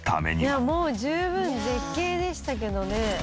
「もう十分絶景でしたけどね」